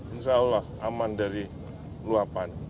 insya allah aman dari luapan